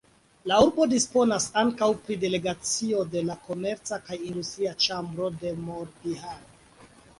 La urbo disponas ankaŭ pri delegacio de la komerca kaj industria ĉambro de Morbihan.